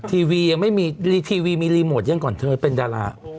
ทีวียังไม่มีทีวีมีรีโมทยังก่อนเธอเป็นดารา